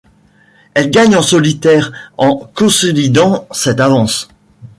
Elle gagne en solitaire en consolidant cette avance.